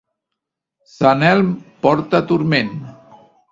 Sant Elm porta turment.